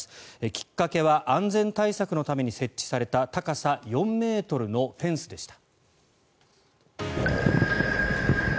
きっかけは安全対策のために設置された高さ４ｍのフェンスでした。